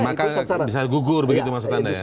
maka bisa gugur begitu maksud anda ya